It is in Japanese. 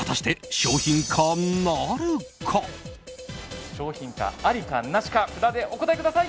商品化、ありかなしか札でお答えください。